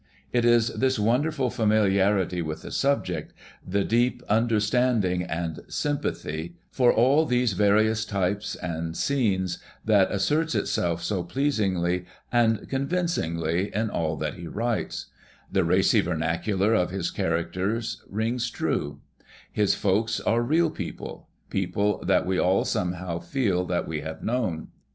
It is this wonder ful familiarity with tlie subject, the deep under standing and sym pathy for all these various ty))es and scenes that asserts Lincoln's Birthplace itself SO ])leasingly JOSEPH CROSBY LINCOLN and convincingly in all that he writes. The racy vernacular of liis characters rings true; his folks are real people — people that we all somehow feel that we have known.